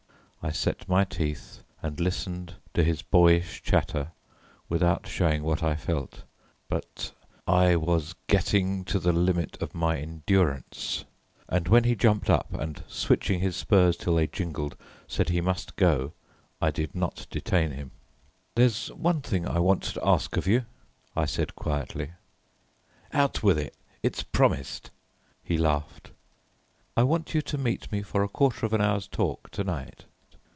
I set my teeth and listened to his boyish chatter without showing what I felt, but I was getting to the limit of my endurance, and when he jumped up, and, switching his spurs till they jingled, said he must go, I did not detain him. "There's one thing I want to ask of you," I said quietly. "Out with it, it's promised," he laughed. "I want you to meet me for a quarter of an hour's talk to night."